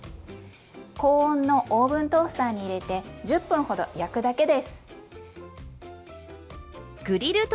高温のオーブントースターに入れて１０分ほど焼くだけです。